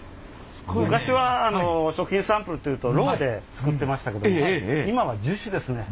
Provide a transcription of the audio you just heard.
昔は食品サンプルっていうとロウで作ってましたけど今は樹脂ですね。